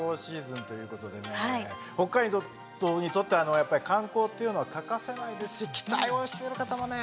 北海道にとってはやっぱり観光っていうのは欠かせないですし期待をしてる方もね